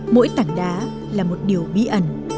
mỗi tảng đá là một điều bí ẩn